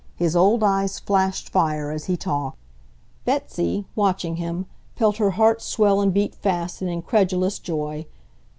His old eyes flashed fire as he talked. Betsy, watching him, felt her heart swell and beat fast in incredulous joy.